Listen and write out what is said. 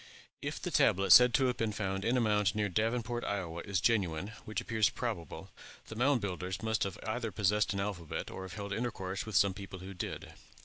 If the tablet said to have been found in a mound near Davenport, Iowa, is genuine, which appears probable, the Mound Builders must either have possessed an alphabet, or have held intercourse with some people who did.